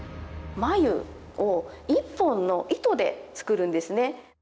繭を一本の糸で作るんですね。